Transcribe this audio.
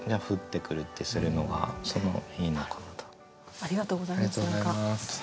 ありがとうございます。